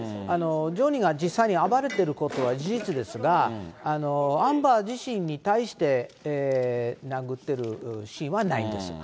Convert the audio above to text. ジョニーが実際に暴れていることは事実ですが、アンバー自身に対して、殴ってるシーンはないです。